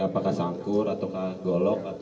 apakah sangkur ataukah golok atau badi